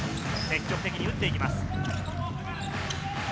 積極的に打っていきます。